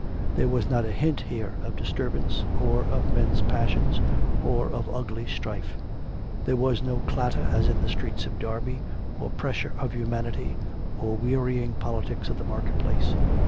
There was not a hint here of disturbance, or of men's passions, or of ugly strife: there was no clatter, as in the streets of Derby, or pressure of humanity, or wearying politics of the market place.